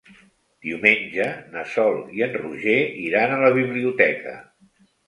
Diumenge na Sol i en Roger iran a la biblioteca.